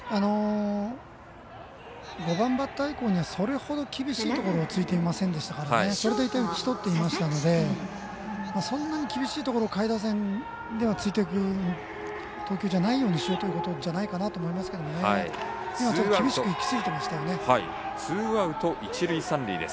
５番バッター以降にはそれほど厳しいところをついていませんでしたのでそれだけ打ち取っていましたのでそんなに厳しいところ下位打線でも突いていく投球ではないようにしようということじゃないかと思います。